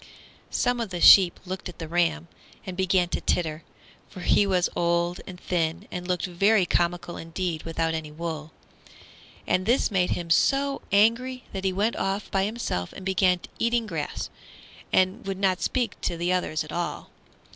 Some of the sheep looked at the ram and began to titter, for he was old and thin, and looked very comical indeed without any wool. And this made him so angry that he went off by himself and began eating grass, and would not speak to the others at all.